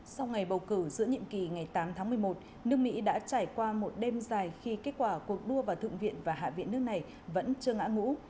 sau ngày bầu cử giữa nhiệm kỳ ngày tám tháng một mươi một nước mỹ đã trải qua một đêm dài khi kết quả cuộc đua vào thượng viện và hạ viện nước này vẫn chưa ngã ngũ